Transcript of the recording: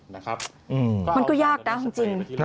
มันก็ยากนะฮ่องจริง